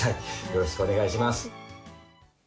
よろしくお願いします。